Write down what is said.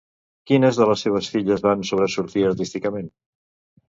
Quines de les seves filles van sobresortir artísticament?